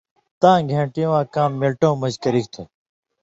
تاں گېن٘ٹی واں کام مِلٹؤں مژ گرِگ تھو